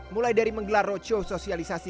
mulai dari menggelar roadshow sosialisasi